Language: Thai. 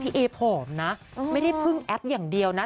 เอผอมนะไม่ได้พึ่งแอปอย่างเดียวนะ